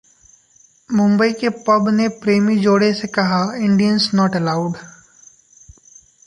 मुंबई के पब ने प्रेमी जोड़े से कहा- इंडियंस नॉट अलाउड